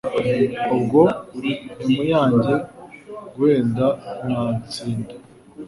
Ubwo i Muyange Guhenda Nyantsinga,